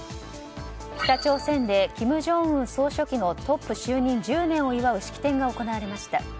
北朝鮮で金正恩総書記のトップ就任１０年を祝う式典が行われました。